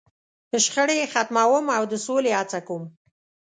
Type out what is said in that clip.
.شخړې یې ختموم، او د سولې هڅه کوم.